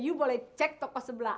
yuk boleh cek tokoh sebelah